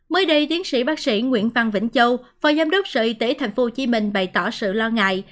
mới đây tiến sĩ bác sĩ nguyễn phan vĩnh châu phó giám đốc sở y tế tp hcm bày tỏ sự lo ngại